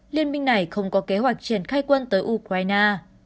liên minh này không có kế hoạch triển khai quân tới ukraine